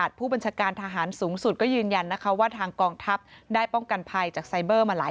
หัวข้างกับคนคนที่คุณคุณคุยกับเรา